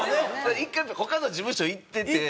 １回他の事務所行ってて。